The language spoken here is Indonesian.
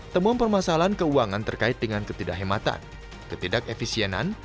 temuan permasalahan keuangan terkait dengan ketidak hematan ketidak efisienan